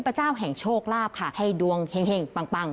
พระเจ้าแห่งโชคลาภค่ะให้ดวงเห็งปัง